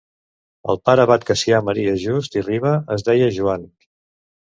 El pare abat Cassià Maria Just i Riba es deia Joan.